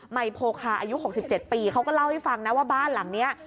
ัยโพคาอายุ๖๗ปีเขาก็เล่าให้ฟังนะว่าบ้านหลังนี้